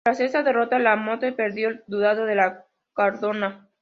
Tras esta derrota, La Mothe perdió el ducado de Cardona.